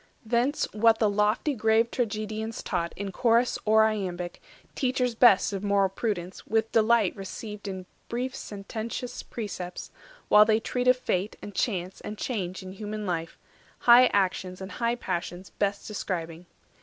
260 Thence what the lofty grave Tragedians taught In chorus or iambic, teachers best Of moral prudence, with delight received In brief sententious precepts, while they treat Of fate, and chance, and change in human life, High actions and high passions best describing.